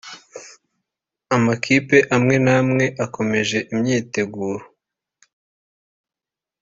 amakipe amwe n’amawe akomeje imyiteguro